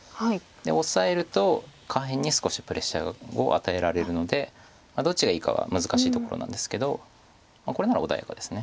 でオサえると下辺に少しプレッシャーを与えられるのでどっちがいいかは難しいところなんですけどこれなら穏やかです。